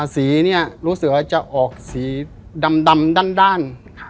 สีเนี่ยรถเสือจะออกสีดำด้าน